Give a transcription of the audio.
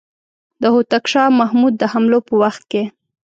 د هوتک شاه محمود د حملو په وخت کې.